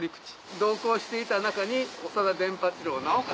同行していた中に長田伝八郎直勝。